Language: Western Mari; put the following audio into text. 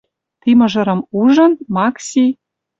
Ти мыжырым ужын, Макси